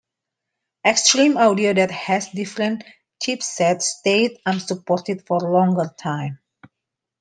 Xtreme Audio that has a different chipset stayed unsupported for longer time.